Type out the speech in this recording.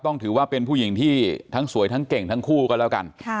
ถือว่าเป็นผู้หญิงที่ทั้งสวยทั้งเก่งทั้งคู่ก็แล้วกัน